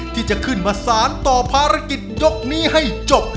ที่จะขึ้นมาสารต่อภารกิจยกนี้ให้จบ